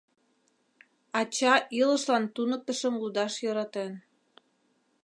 Ача илышлан туныктышым лудаш йӧратен.